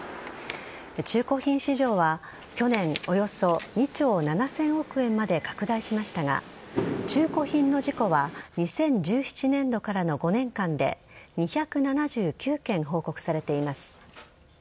中古品市場は去年およそ２兆７０００億円まで拡大しましたが中古品の事故は２０１７年度からの５年間で２７９件報告されています。